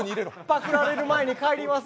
パクられる前に帰ります。